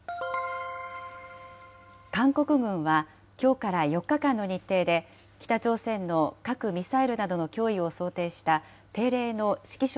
韓国軍はきょうから４日間の日程で、北朝鮮の核・ミサイルなどの脅威を想定した定例の指揮所